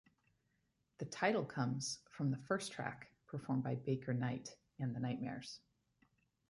The title comes from the first track, performed by Baker Knight and the Knightmares.